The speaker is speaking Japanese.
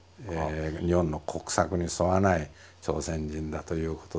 日本の国策に沿わない朝鮮人だということでしょうね。